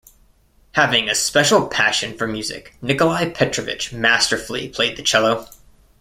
Having a special passion for music, Nikolai Petrovich masterfully played the cello.